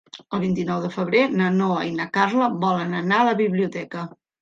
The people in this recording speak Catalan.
El vint-i-nou de febrer na Noa i na Carla volen anar a la biblioteca.